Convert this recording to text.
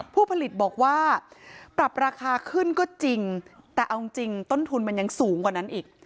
ผู้ผลิตบอกว่าปรับราคาขึ้นก็จริงแต่เอาจริงต้นทุนมันยังสูงกว่านั้นอีก